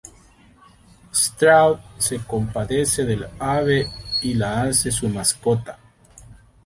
Stroud se compadece del ave y la hace su mascota.